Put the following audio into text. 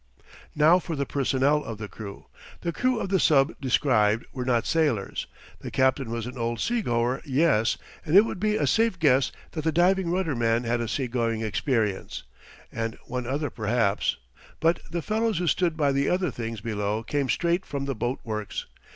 Now for the personnel of the crew. The crew of the sub described were not sailors. The captain was an old seagoer yes; and it would be a safe guess that the diving rudder man had a seagoing experience; and one other perhaps; but the fellows who stood by the other things below came straight from the boat works.